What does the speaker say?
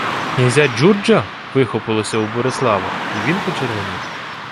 — Князя Джурджа? — вихопилося в Борислава, й він почервонів.